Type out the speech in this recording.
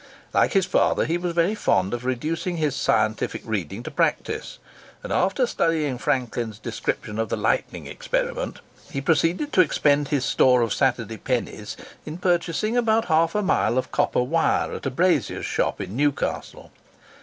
Like his father, he was very fond of reducing his scientific reading to practice; and after studying Franklin's description of the lightning experiment, he proceeded to expend his store of Saturday pennies in purchasing about half a mile of copper wire at a brazier's shop in Newcastle.